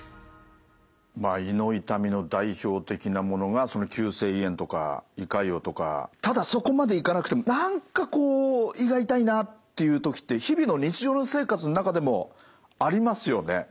まあ胃の痛みの代表的なものがその急性胃炎とか胃潰瘍とかただそこまでいかなくても何かこう胃が痛いなっていう時って日々の日常生活の中でもありますよね？